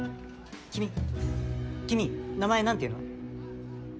君君名前何ていうの？